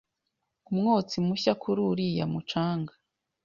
Umwotsi mushya kuri uriya mucanga